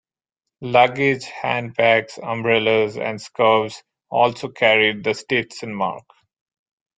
Luggage, handbags, umbrellas and scarves also carried the Stetson mark.